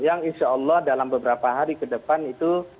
yang insya allah dalam beberapa hari ke depan itu